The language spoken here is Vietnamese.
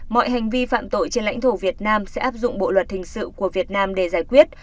mọi hành vi phạm tội trên lãnh thổ việt nam sẽ áp dụng bộ luật hình sự của việt nam để giải quyết